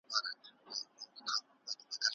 ای وارثه خپله غولکه بېرته کېږده.